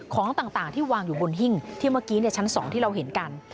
ของต่างที่วางอยู่บนหิ้งที่เมื่อกี้ชั้น๒ที่เราเห็นกัน